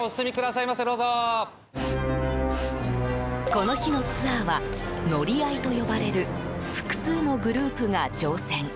この日のツアーは乗合と呼ばれる複数のグループが乗船。